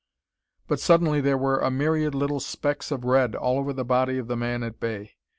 But suddenly there were a myriad little specks of red all over the body of the man at bay.